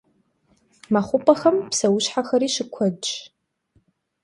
Mekhup'exem pseuşhexeri şıkuedş.